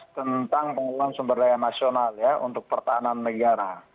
tentang penggunaan sumber daya nasional untuk pertahanan negara